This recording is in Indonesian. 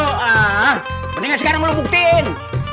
mendingan sekarang lo buktiin